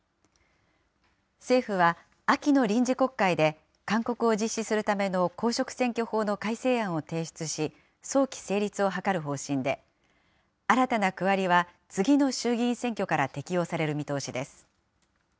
政府は、秋の臨時国会で勧告を実施するための公職選挙法の改正案を提出し、早期成立を図る方針で、新たな区割りは次の衆議院選挙から適用される見通しです。